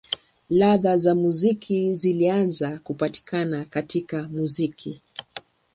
Ladha za muziki zilianza kupatikana katika muziki.